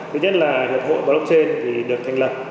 thứ nhất là hiệp hội blockchain được thành lập